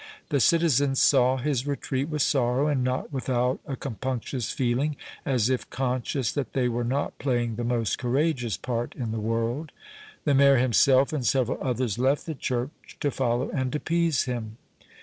The citizens saw his retreat with sorrow, and not without a compunctious feeling, as if conscious that they were not playing the most courageous part in the world. The Mayor himself and several others left the church, to follow and appease him.